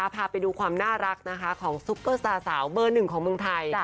พาไปดูความน่ารักนะคะของซุปเปอร์สตาร์สาวเบอร์หนึ่งของเมืองไทย